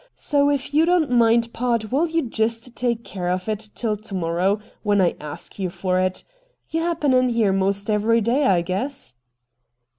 So, if you don't mind, pard, will you jest take charge of it till to morrow when I ask you for it ? You happen in here most every day, I guess